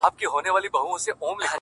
چي سمسور افغانستان لیدلای نه سي,